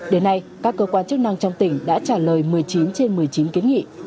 đến nay các cơ quan chức năng trong tỉnh đã trả lời một mươi chín trên một mươi chín kiến nghị